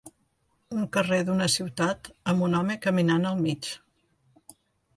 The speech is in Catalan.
Un carrer d'una ciutat amb un home caminant al mig